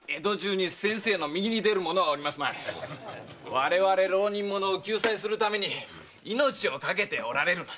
我々浪人者を救済するために命を懸けておられるのだ。